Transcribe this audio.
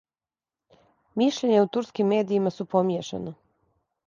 Мишљења у турским медијима су помијешана.